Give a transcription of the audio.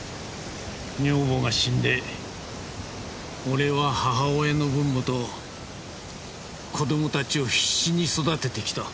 女房が死んで俺は母親の分もと子供たちを必死に育ててきた。